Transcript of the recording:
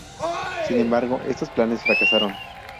Sin embargo, estos planes fracasaron.